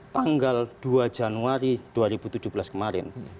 tanggal dua januari dua ribu tujuh belas kemarin